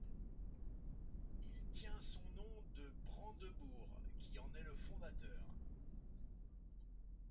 Il tient son nom d’de Brandebourg qui en est le fondateur.